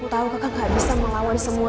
baby broke jadi suka lewat kamu